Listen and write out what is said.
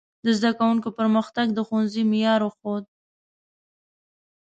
د زده کوونکو پرمختګ د ښوونځي معیار وښود.